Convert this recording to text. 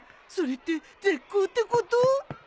それって絶交ってこと？